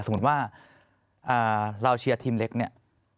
สมมุติว่าเราเชียร์ทีมเล็กเนี่ย